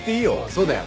そうだよ。